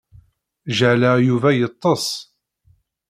Jeɛleɣ Yuba yella yeṭṭes.